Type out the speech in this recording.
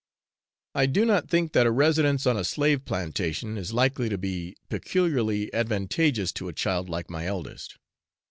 I do not think that a residence on a slave plantation is likely to be peculiarly advantageous to a child like my eldest.